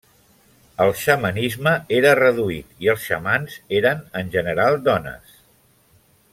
El xamanisme era reduït i els xamans eren en general dones.